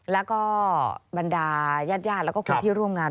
แล้วก็บรรดายาดแล้วก็คนที่ร่วมงาน